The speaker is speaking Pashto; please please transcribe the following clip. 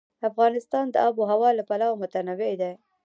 افغانستان د آب وهوا له پلوه متنوع دی.